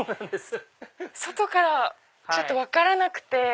外からはちょっと分からなくて。